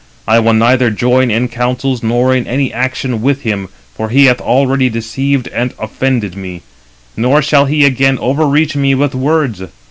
I will neither join in counsels nor in any action with him; for he hath already deceived and offended me, nor shall he again overreach me with words.